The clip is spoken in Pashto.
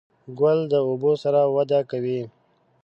ګل د اوبو سره وده کوي.